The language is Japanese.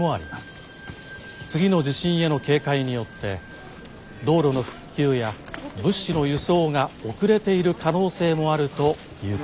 次の地震への警戒によって道路の復旧や物資の輸送が遅れている可能性もあるということです」。